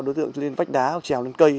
đối tượng lên vách đá hoặc trèo lên cây